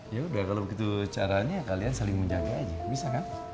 ya udah kalau begitu caranya kalian saling menjaga aja bisa kan